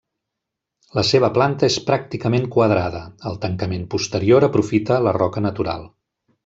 La seva planta és pràcticament quadrada; el tancament posterior aprofita la roca natural.